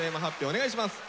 お願いします。